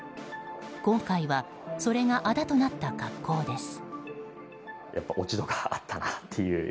今回はそれがあだとなった格好です。